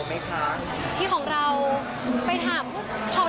ใจกลางภูกรุงไม้ไม่ถึงขนาดนั้น